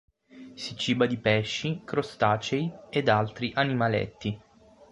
Si ciba di pesci, crostacei ed altri animaletti.